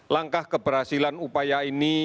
langkah keberhasilan upaya ini